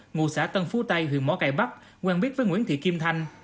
ngụ xã tân phú tây huyện mỏ cải bắc quen biết với nguyễn thị kim thanh